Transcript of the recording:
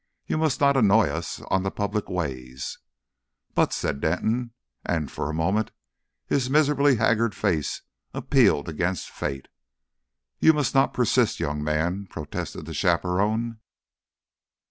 You must not annoy us on the public ways." "But " said Denton, and for a moment his miserably haggard face appealed against fate. "You must not persist, young man," protested the chaperone.